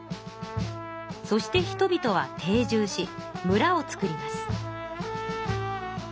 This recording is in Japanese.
そして人々は定住しむらをつくります。